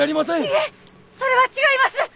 いえそれは違います！